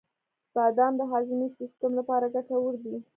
• بادام د هاضمې سیسټم لپاره ګټور دي.